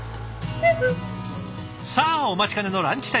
さあお待ちかねのランチタイム。